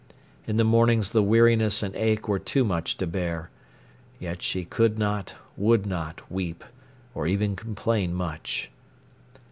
In the mornings the weariness and ache were too much to bear. Yet she could not—would not—weep, or even complain much.